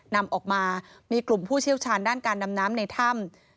นำออกมามีกลุ่มผู้เชี่ยวชาญด้านการดำน้ำในถ้ำ